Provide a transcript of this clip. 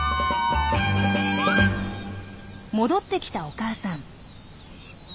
戻ってきたお母さん。